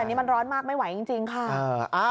อันนี้มันร้อนมากไม่ไหวจริงค่ะ